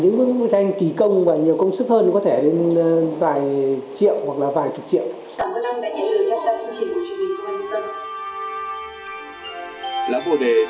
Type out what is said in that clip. những bước tranh kỳ công và nhiều công sức hơn có thể lên vài triệu hoặc là vài chục triệu